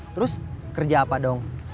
terus kerja apa dong